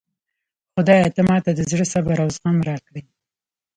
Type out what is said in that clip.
خدایه ته ماته د زړه صبر او زغم راکړي